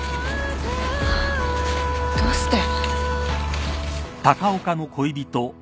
どうして？